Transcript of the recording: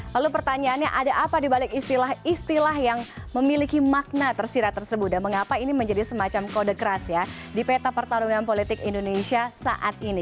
lalu pertanyaannya ada apa dibalik istilah istilah yang memiliki makna tersirat tersebut dan mengapa ini menjadi semacam kode keras ya di peta pertarungan politik indonesia saat ini